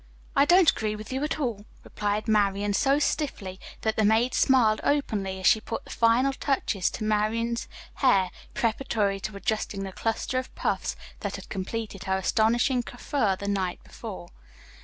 "I don't agree with, you at all," replied Marian so stiffly that the maid smiled openly, as she put the final touches to Marian's hair preparatory to adjusting the cluster of puffs that had completed her astonishing coiffure the night before.